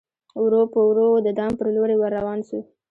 ورو په ورو د دام پر لوري ور روان سو